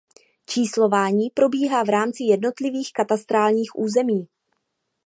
Číslování probíhá v rámci jednotlivých katastrálních území.